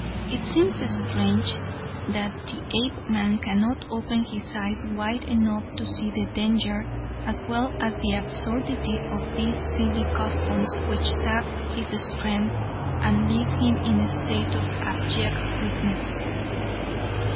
It seems strange that the Apeman cannot open his eyes wide enough to see the danger as well as the absurdity of these silly customs which sap his strength and leave him in a state of abject weakness.